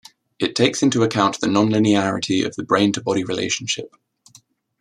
It takes into account the nonlinearity of the brain-to-body relationship.